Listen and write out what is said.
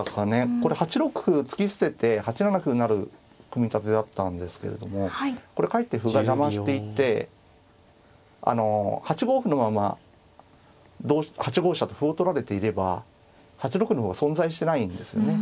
これ８六歩突き捨てて８七歩成組み立てだったんですけれどもこれかえって歩が邪魔していて８五歩のまま８五飛車と歩を取られていれば８六の歩が存在してないんですよね。